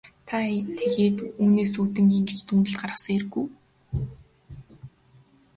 Та тэгээд үүнээс үүдэн ингэж дүгнэлт гаргасан хэрэг үү?